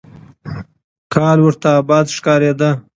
کال ورته آباد ښکارېده.